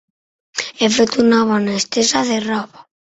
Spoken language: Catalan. He fet una bona estesa de roba.